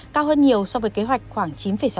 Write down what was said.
cao hơn nhiều so với kế hoạch khoảng chín sáu